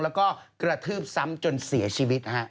แล้วก็กระทืบซ้ำจนเสียชีวิตนะฮะ